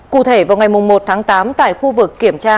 cụ thể vào ngày một tháng tám tại khu vực kiểm tra